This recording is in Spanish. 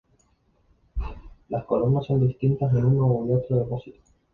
Las columnas son distintas en uno y otro depósito.